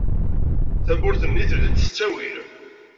Tawwurt-nni teldi-d s ttawil.